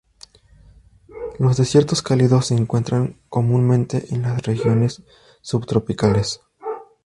Los desiertos cálidos se encuentran comúnmente en las regiones subtropicales.